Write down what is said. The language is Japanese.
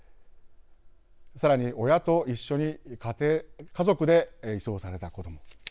さらに、親と一緒に家族で移送された子ども。